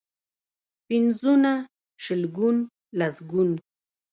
پنځونه، شلګون ، لسګون.